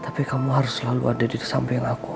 tapi kamu harus selalu ada di samping aku